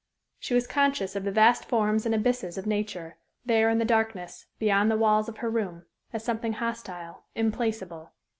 She was conscious of the vast forms and abysses of nature, there in the darkness, beyond the walls of her room, as something hostile, implacable....